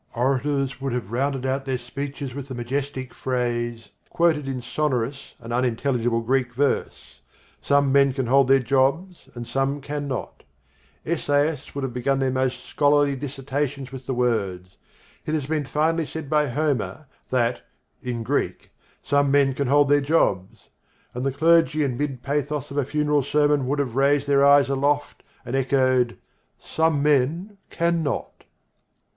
Orators would have rounded out their speeches with the majestic phrase, quoted in sonorous and unintelligible Greek verse, "some men can hold their jobs and some can not": essayists would have begun their most scholarly dissertations with the words, "It has been finely said by Homer that (in Greek) 'some men can hold their jobs'": and the clergy in mid pathos of a funeral sermon would have raised their eyes aloft and echoed "Some men can not"!